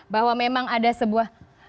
bahwa memang ada sebuah